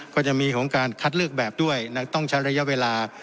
ก็จะมีของการคัดเลือกแบบด้วยต้องใช้ระยะเวลา